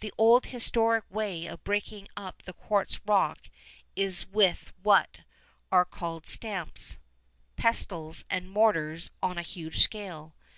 The old historic way of breaking up the quartz rock is with what are called "stamps," pestles and mortars on a huge scale.